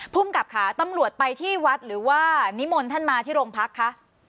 ภูมิกับค่ะตำรวจไปที่วัดหรือว่านิมนต์ท่านมาที่โรงพักคะ